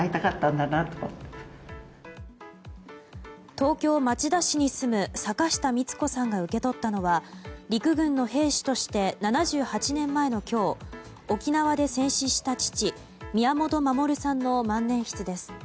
東京・町田市に住む坂下満子さんが受け取ったのは陸軍の兵士として７８年前の今日沖縄で戦死した父・宮本衛さんの万年筆です。